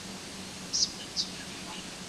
كه هزاره ، ازبك ، تاجك د وطن دينه،